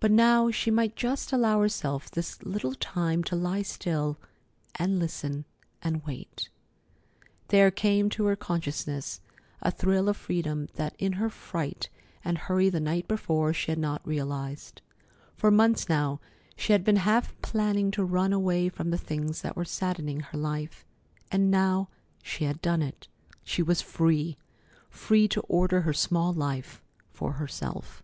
But now she might just allow herself this little time to lie still and listen and wait. There came to her consciousness a thrill of freedom that in her fright and hurry the night before she had not realized. For months now she had been half planning to run away from the things that were saddening her life, and now she had done it. She was free! Free to order her small life for herself.